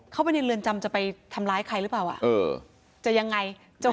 เข้าไปในเรือนจำจะไปทำร้ายใครหรือเปล่าอ่ะจะยังไง